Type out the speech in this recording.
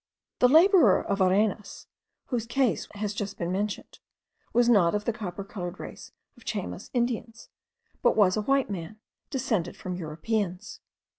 The labourer of Arenas, whose case has just been mentioned, was not of the copper coloured race of Chayma Indians, but was a white man, descended from Europeans.